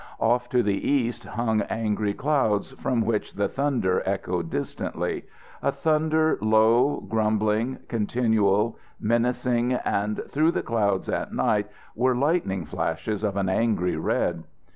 Off to the east hung angry clouds from which the thunder echoed distantly; a thunder low, grumbling, continual, menacing, and through the clouds at night were lightning flashes of an angry red.